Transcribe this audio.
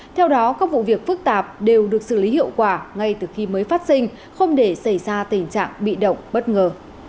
theo đó các vụ việc phức tạp đều được xử lý hiệu quả ngay từ khi mới phát sinh không để xảy ra tình trạng bị động bất ngờ